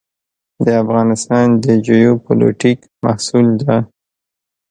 د افغانستان د جیوپولیټیک محصول ده.